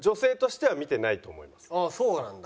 ああそうなんだ。